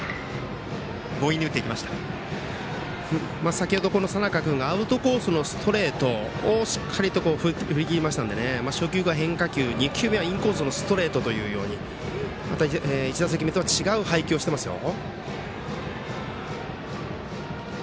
先ほど佐仲君がアウトコースのストレートをしっかりと振り切りましたので初球から変化球、２球目はインコースのストレートというように１打席目とは違う配球をしてますよ。